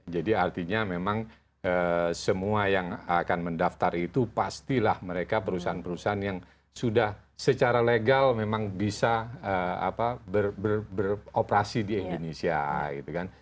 jadi artinya memang semua yang akan mendaftar itu pastilah mereka perusahaan perusahaan yang sudah secara legal memang bisa beroperasi di indonesia